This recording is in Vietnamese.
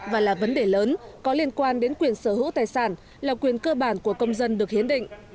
và là vấn đề lớn có liên quan đến quyền sở hữu tài sản là quyền cơ bản của công dân được hiến định